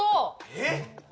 えっ！